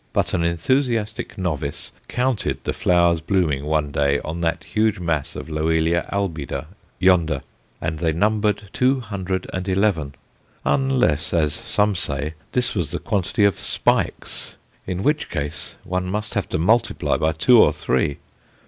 But an enthusiastic novice counted the flowers blooming one day on that huge mass of Loelia albida yonder, and they numbered two hundred and eleven unless, as some say, this was the quantity of "spikes," in which case one must have to multiply by two or three.